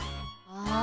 ああ。